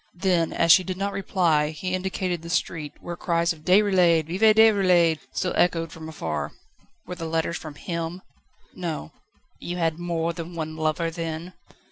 Then as she did not reply he indicated the street, where cries of "Déroulède! Vive Déroulède!" still echoed from afar. "Were the letters from him?" "No." "You had more than one lover, then?"